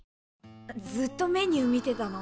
ずっとメニュー見てたの？